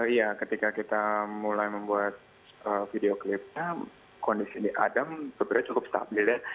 iya ketika kita mulai membuat video klipnya kondisi ini adam sebenarnya cukup stabil ya